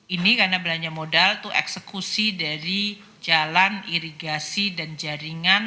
ini karena belanja modal itu eksekusi dari jalan irigasi dan jaringan